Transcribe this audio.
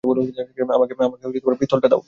আমাকে পিস্তলটা দাও!